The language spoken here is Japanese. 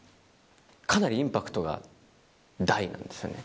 かなりインパクトが大なんですよね。